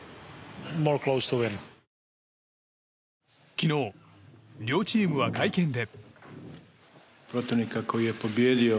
昨日、両チームは会見で。